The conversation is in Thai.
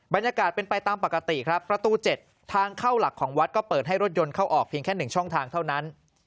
บรรยากาศเป็นไปตามปกติครับประตู๗ทางเข้าหลักของวัดก็เปิดให้รถยนต์เข้าออกเพียงแค่๑ช่องทางเท่านั้น